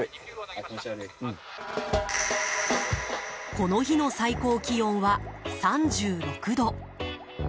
この日の最高気温は３６度。